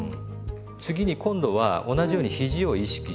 次に今度は同じようにひじを意識して。